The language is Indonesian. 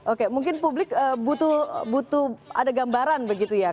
oke mungkin publik butuh ada gambaran begitu ya